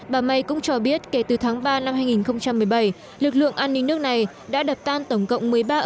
bà may cũng cho biết kể từ tháng ba năm hai nghìn một mươi bảy lực lượng an ninh nước này đã đập tan tổng cộng một mươi ba âm mưu tấn công khủng bố